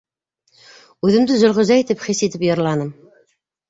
Үҙемде Зөлхизә итеп хис итеп йырланым.